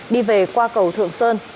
đi về qua cầu thượng sơn